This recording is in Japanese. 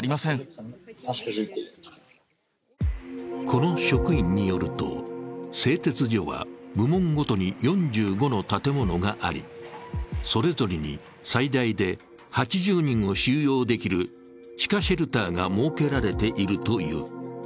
この職員によると、製鉄所は部門ごとに４５の建物があり、それぞれに最大で８０人を収容できる地下シェルターが設けられているという。